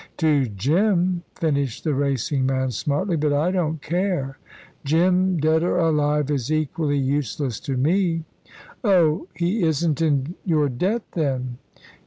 "To Jim!" finished the racing man, smartly; "but I don't care. Jim, dead or alive, is equally useless to me." "Oh! He isn't in your debt, then?"